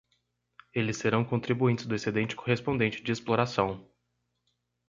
Eles serão contribuintes do excedente correspondente de exploração.